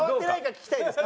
聞きたいです。